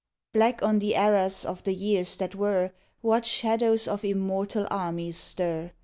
Black on the arras of the years that were, What shadows of immortal armies stir!